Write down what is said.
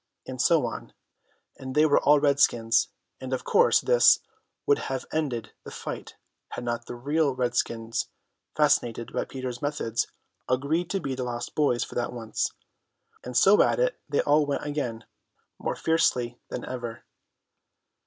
and so on; and they were all redskins; and of course this would have ended the fight had not the real redskins fascinated by Peter's methods, agreed to be lost boys for that once, and so at it they all went again, more fiercely than ever.